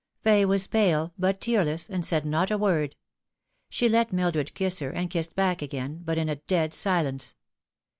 Fay was pale, but tearless, and said not a word. She let Mildred kiss her, and kissed back again, but in a dead silence.